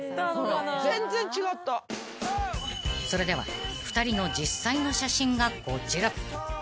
［それでは２人の実際の写真がこちら］